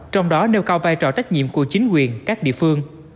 trong đó nêu cao vai trò trách nhiệm của chính quyền các địa phương